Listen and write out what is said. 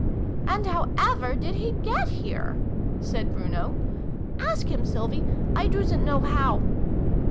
" And how ever did he get here? " said Bruno. " Ask him, Sylvie. I doosn't know how."